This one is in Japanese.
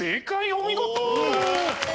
お見事！